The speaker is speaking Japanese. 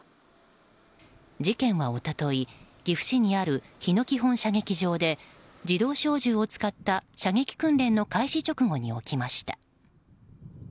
事件は一昨日、岐阜市にある日野基本射撃場で自動小銃を使った射撃訓練の開始直後に起きました。